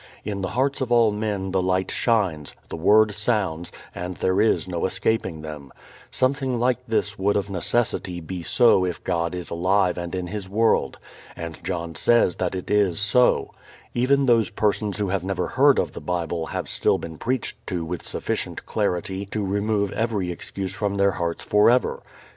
In the hearts of all men the light shines, the Word sounds, and there is no escaping them. Something like this would of necessity be so if God is alive and in His world. And John says that it is so. Even those persons who have never heard of the Bible have still been preached to with sufficient clarity to remove every excuse from their hearts forever.